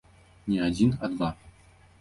Не адзін, а два.